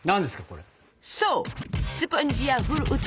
これ。